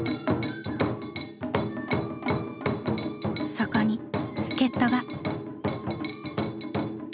そこに助っ人が。